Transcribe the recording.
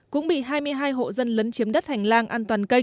cũng bị hai mươi hai hộ dân lấn chiếm đất hạ